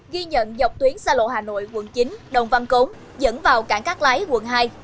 ghi nhận dọc tuyến xa lộ hà nội quận chín đồng văn cống dẫn vào cảng cắt lái quận hai